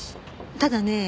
ただね